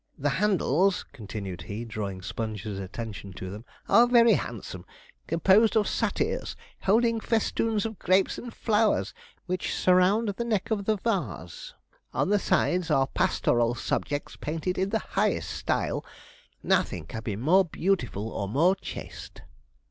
The handles,' continued he, drawing Sponge's attention to them, 'are very handsome composed of satyrs holding festoons of grapes and flowers, which surround the neck of the vase; on the sides are pastoral subjects, painted in the highest style nothing can be more beautiful or more chaste.'